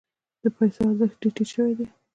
د پیسو ارزښت یې ډیر ټیټ شوی دی.